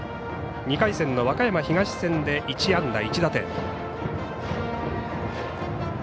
２回戦の和歌山東戦で１安打１打点。